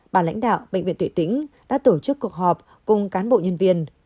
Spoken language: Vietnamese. bà lãnh đạo bệnh viện tự tính đã tổ chức cuộc họp cùng cán bộ nhân viên